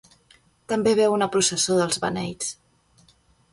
També veu una processó dels beneits.